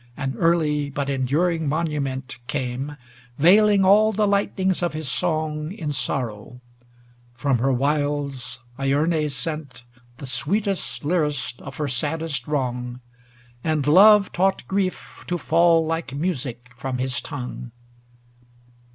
An early but enduring monument, Came, veiling all the lightnings of his song In sorrow; from her wilds lerne sent The sweetest lyrist of her saddest wrong. And love taught grief to fall like music from his tongue.